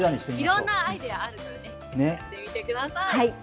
いろんなアイデアがあるので、やってみてください。